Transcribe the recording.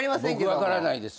僕分からないです。